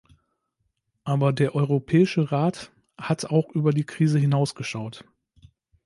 Aber der Europäische Rat hat auch über die Krise hinaus geschaut.